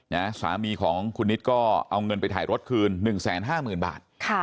แล้วสามีของคุณนิตก็เอาเงินไปถ่ายรถคืน๑๕๐๐๐๐บาท